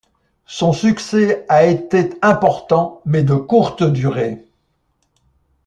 Son succès a été important mais de courte durée.